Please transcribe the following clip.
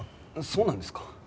そうなんですか？